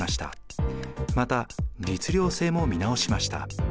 また律令制も見直しました。